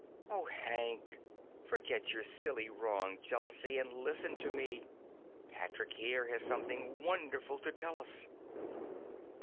"Oh, Hank, forget your silly, wrong jealousy and listen to me. Patrick here has something wonderful to tell us."